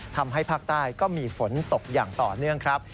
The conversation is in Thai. ทำให้ภาคใต้ก็มีฝนตกอย่างต่อเนื่องครับ